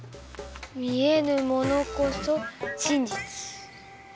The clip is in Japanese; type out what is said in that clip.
見えぬものこそ真実！